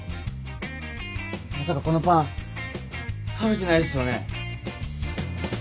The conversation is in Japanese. まさかこのパン食べてないですよね？